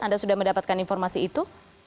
anda sudah mendapatkan informasi itu